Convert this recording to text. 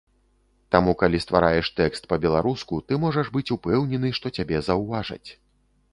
Таму калі ствараеш тэкст па-беларуску, ты можаш быць упэўнены, што цябе заўважаць.